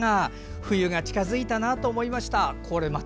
冬が近づいたなと思いました。